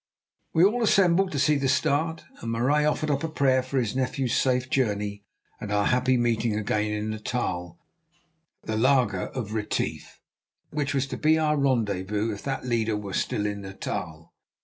We all assembled to see the start, and Marais offered up a prayer for his nephew's safe journey and our happy meeting again in Natal at the laager of Retief, which was to be our rendezvous, if that leader were still in Natal.